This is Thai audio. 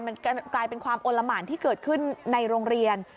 มันกลายเป็นความโอละหมานที่เกิดขึ้นในโรงเรียน